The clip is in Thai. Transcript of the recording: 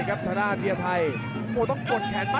แม่พลาดทีเดียวครับ